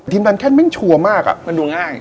ทีมดันแค่นเป็นแชมป์ชั่วมากอ่ะมันดูง่าย